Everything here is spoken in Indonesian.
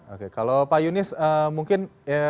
oke kalau pak yunis mungkin